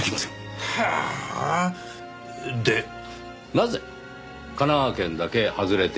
なぜ神奈川県だけ外れていたのか。